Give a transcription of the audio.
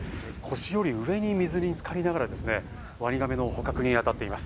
腰より上に水につかりながらワニガメの捕獲にあたっています。